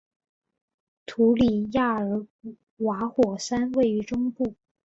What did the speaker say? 图里亚尔瓦火山位于中部。